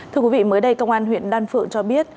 thưa quý vị mới đây công an huyện đan phượng cho biết